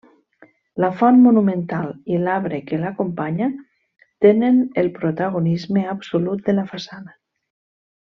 La font monumental i l'arbre que l'acompanya tenen el protagonisme absolut de la façana.